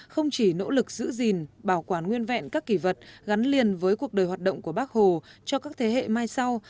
không chỉ nỗ lực giữ gìn bảo quản nguyên vẹn các kỳ vật gắn liền với cuộc đời hoạt động của bác hồ cho các thế hệ mai sau